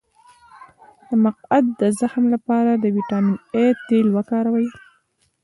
د مقعد د زخم لپاره د ویټامین اي تېل وکاروئ